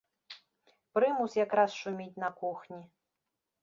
Прымус якраз шуміць на кухні.